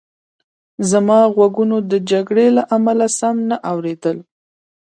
زما غوږونو د جګړې له امله سم نه اورېدل